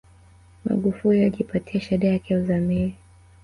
magufuli alijipatia shahada yake ya uzamili